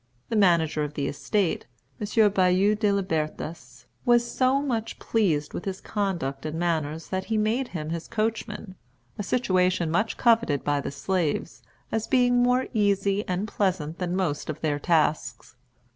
The Manager of the estate, M. Bayou de Libertas, was so much pleased with his conduct and manners that he made him his coachman, a situation much coveted by the slaves, as being more easy and pleasant than most of their tasks.